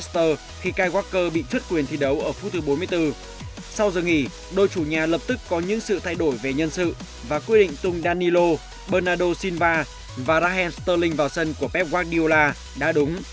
sau giờ nghỉ đôi chủ nhà lập tức có những sự thay đổi về nhân sự và quyết định tung danilo bernardo silva và raheem sterling vào sân của pep guardiola đã đúng